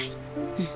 うん。